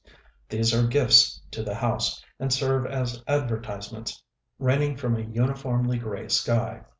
These are gifts to the house, and serve as advertisements.... Raining from a uniformly grey sky.